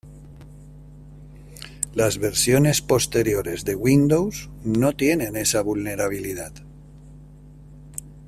Las versiones posteriores de Windows no tienen esta vulnerabilidad.